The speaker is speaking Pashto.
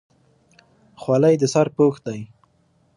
خولۍ د سر پوښ دی.